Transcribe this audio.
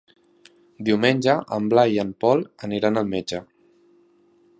Diumenge en Blai i en Pol aniran al metge.